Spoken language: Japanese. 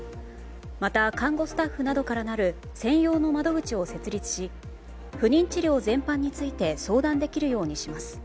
また、看護スタッフなどからなる専用の窓口を設立し不妊治療全般について相談できるようにします。